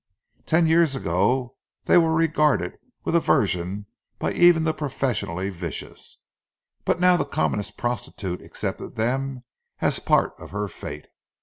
Ten years ago they were regarded with aversion by even the professionally vicious; but now the commonest prostitute accepted them as part of her fate.